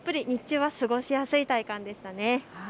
日中は過ごしやすい体感でしたね。